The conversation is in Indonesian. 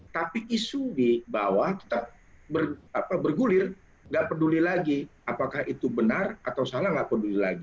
tapi isu di bawah tetap bergulir nggak peduli lagi apakah itu benar atau salah nggak peduli lagi